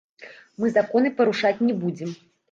Мы законы парушаць не будзем.